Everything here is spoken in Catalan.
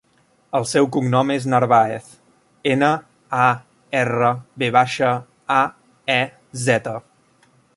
El seu cognom és Narvaez: ena, a, erra, ve baixa, a, e, zeta.